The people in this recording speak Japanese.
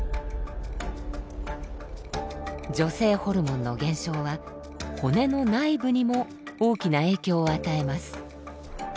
女性ホルモンの減少は骨の内部にも大きな影響を与えます。